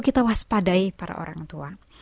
kita waspadai para orang tua